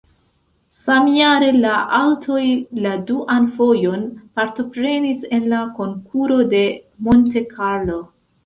Samjare la aŭtoj la duan fojon partoprenis en la Konkuro de Monte Carlo.